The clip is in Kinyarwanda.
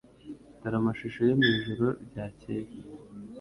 Dore amashusho yo mwijoro ryakeye.